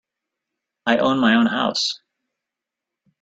I own my own house.